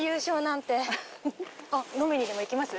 あっ飲みにでも行きます？